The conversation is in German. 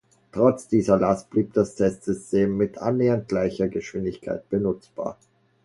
Trotz dieser Last blieb das Testsystem mit annähernd gleicher Geschwindigkeit benutzbar.